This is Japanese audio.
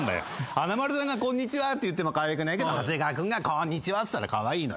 華丸さんが「こーんにーちはー！」って言ってもかわいくないけど長谷川君が「こーんにーちはー！」っつったらカワイイのよ。